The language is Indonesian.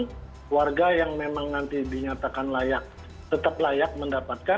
dan warga yang memang nanti dinyatakan layak tetap layak mendapatkan